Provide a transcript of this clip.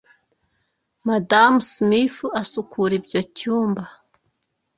Madamu Smith asukura ibyo cyumba.